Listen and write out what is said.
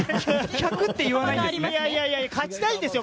１００って言わないんですね。